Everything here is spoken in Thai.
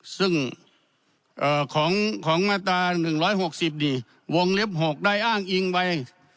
ซึ่งของมาตรา๑๖๐นี่วงเล็บ๖ได้อ้างอิงไว้